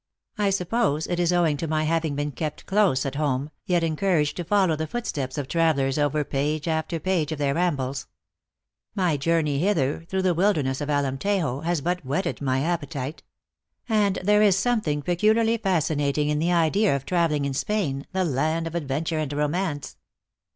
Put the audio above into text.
I sup pose it is owing to my having been kept close at home, yet encouraged to follow the footsteps of travelers over page after page of their rambles. My journey hither, through the wilderness of Alemtejo, has but THE ACTRESS IN HIGH LIFE. 79 wlietted my appetite. And there is something pecu liarly fascinating in the idea of traveling in Spain, the land of adventure and romance."